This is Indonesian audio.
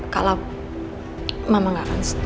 kalau mama gak akan setuju